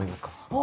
あ！